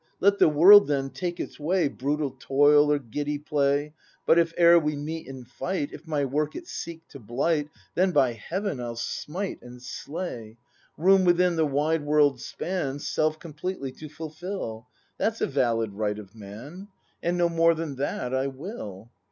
Let the world then take its way, Brutal toil or giddy play; But if e'er we meet in fight, If my work it seek to blight. Then, by heaven, I'll smite and slay! Room within the wide world's span. Self completely to fulfil, — That's a valid right of Man, And no more than that I will!